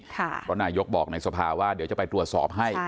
เพราะนายกบอกในสภาว่าเดี๋ยวจะไปตรวจสอบให้